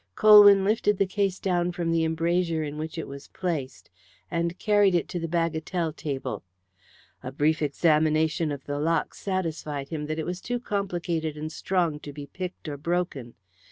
Colwyn lifted the case down from the embrasure in which it was placed, and carried it to the bagatelle table. A brief examination of the lock satisfied him that it was too complicated and strong to be picked or broken.